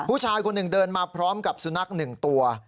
ผู้ชายคนหนึ่งเดินมาพร้อมกับสุนัขหนึ่งตัว